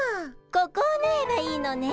ここをぬえばいいのね？